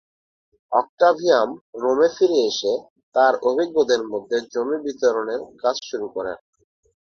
Octavian রোমে ফিরে এসে তার অভিজ্ঞদের মধ্যে জমি বিতরণের কাজ শুরু করেন।